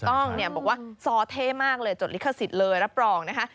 ต้องเนี่ยบอกว่าซอเท่มากเลยจดลิขสิทธิ์เลยรับรองนะคะ